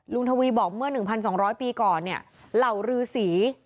ลุงทวีบอกเมื่อหนึ่งพันสองร้อยปีก่อนเนี่ยเหล่ารือสี